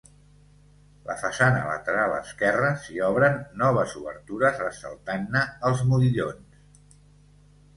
La façana lateral esquerra s'hi obren noves obertures, ressaltant-ne els modillons.